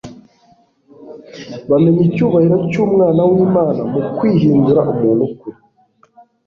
Bamenya icyubahiro cy'Umwana w'Imana, mu kwihindura umuntu kwe.